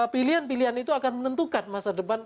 pilihan pilihan itu akan menentukan masa depan